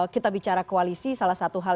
kita bicara koalisi salah satu hal